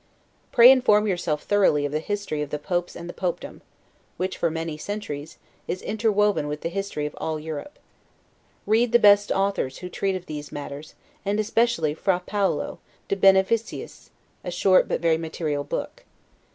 Pray inform yourself thoroughly of the history of the popes and the popedom; which, for many centuries, is interwoven with the history of all Europe. Read the best authors who treat of these matters, and especially Fra Paolo, 'De Beneficiis', a short, but very material book.